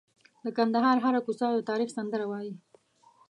د کندهار هره کوڅه د تاریخ سندره وایي.